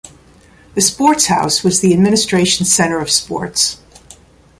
The Sports House was the Administration Centre of Sports.